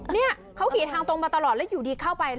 นี่เขาขี่ทางตรงมาตลอดแล้วอยู่ดีเข้าไป